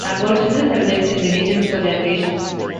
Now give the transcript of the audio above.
Aboriginals have lived in the region for generations.